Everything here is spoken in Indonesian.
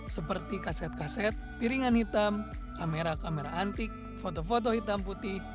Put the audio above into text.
seperti kaset kaset piringan hitam kamera kamera antik foto foto hitam putih